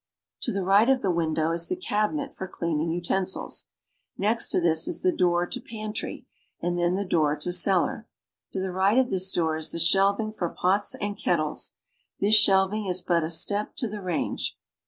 To the right of the window is the cabinet for cleaning utensils. Next to this is the door to pantry, and then the door to cellar. To the right of this door is the shelving for pots and kettles. This shelving is but a step to the range.